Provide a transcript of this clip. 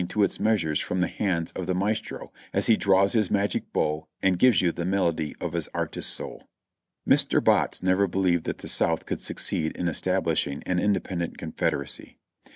JOHN MINOR BOTTS 437 measures from the hands of the maestro as he draws his magic bow and gives you the melody of his artist soul. Mr. Botts never believed that the South could succeed in es tablishing an independent Confederacy.